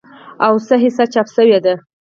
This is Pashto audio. او څه حصه چاپ شوې ده